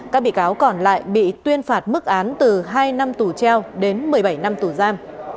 các bị cáo còn lại bị tuyên phạt mức án từ hai năm tù treo đến một mươi bảy năm tù giam